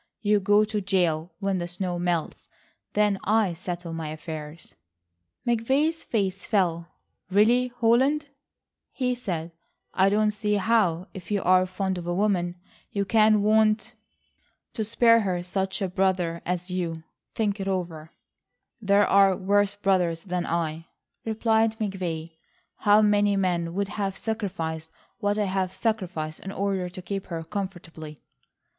You go to jail when the snow melts. Then I settle my affairs." McVay's face fell. "Really, Holland," he said, "I don't see how, if you are fond of a woman you can want ...""... to spare her such a brother as you. Think it over." "There are worse brothers than I," replied McVay, "how many men would have sacrificed what I have sacrificed in order to keep her comfortably."